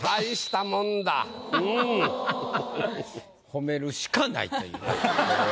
褒めるしかないという。